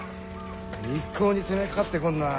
一向に攻めかかってこんなあ。